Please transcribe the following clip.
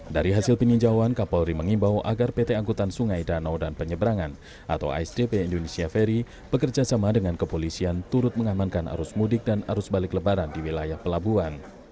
dari hasil peninjauan kapolri mengimbau agar pt angkutan sungai danau dan penyeberangan atau asdp indonesia ferry bekerjasama dengan kepolisian turut mengamankan arus mudik dan arus balik lebaran di wilayah pelabuhan